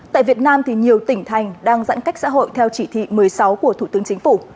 tại việt nam thì nhiều tỉnh thành đang giãn cách xã hội theo chỉ thị một mươi sáu của thủ tướng chính phủ